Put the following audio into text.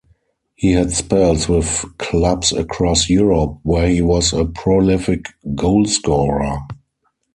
He had spells with clubs across Europe where he was a prolific goal scorer.